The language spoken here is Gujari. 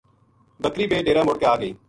بکری بھی ڈیرا مڑ کے آ گئی۔